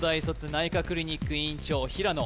内科クリニック院長平野